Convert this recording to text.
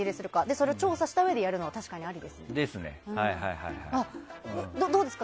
それを調査したうえでやるのはありですね。